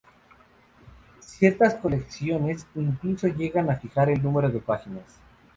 Ciertas colecciones incluso llegan a fijar el número de páginas.